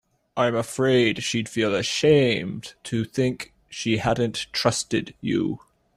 I'm afraid she'd feel ashamed to think she hadn't trusted you.